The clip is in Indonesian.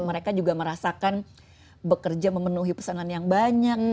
mereka juga merasakan bekerja memenuhi pesanan yang banyak